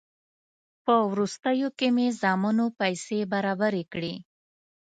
په وروستیو کې مې زامنو پیسې برابرې کړې.